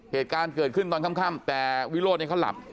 เหตุการณ์เกิดขึ้นตอนค่ำแต่วิโรธเนี่ยเขาหลับ